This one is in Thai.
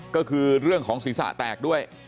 ก็คือเรื่องของศีรษะแตกด้วย